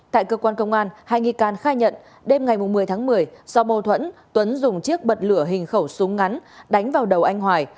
tại cơ quan công an hai nghi can khai nhận đêm ngày một mươi tháng một mươi do mâu thuẫn tuấn dùng chiếc bật lửa hình khẩu súng ngắn đánh vào đầu anh hoài